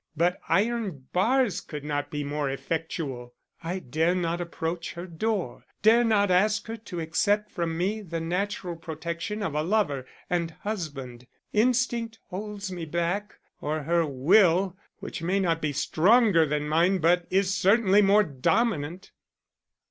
But iron bars could not be more effectual. I dare not approach her door; dare not ask her to accept from me the natural protection of a lover and husband. Instinct holds me back, or her will, which may not be stronger than mine but is certainly more dominant."